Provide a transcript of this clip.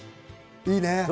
いいね。